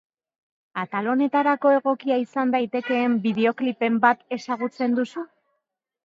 Atal honetarako egokia izan daitekeen bideoklipen bat ezagutzen duzu?